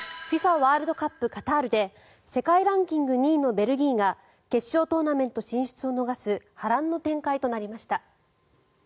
ワールドカップカタールで世界ランキング２位のベルギーが決勝トーナメント進出を逃す波乱の展開となりました。